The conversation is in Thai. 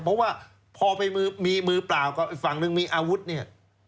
เพราะว่าพอไปมีมือเปล่ากับอีกฝั่งหนึ่งมีอาวุธเนี่ย